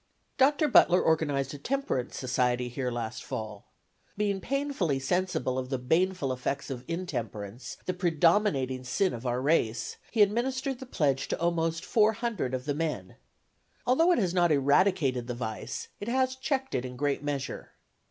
"Dr. Butler organized a temperance society here last fall. Being painfully sensible of the baneful effects of intemperance, the predominating sin of our race, he administered the pledge to almost 400 of the men. Although it has not eradicated the vice, it has checked it in a great measure.